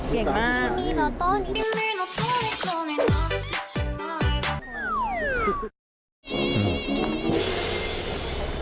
เก่งมาก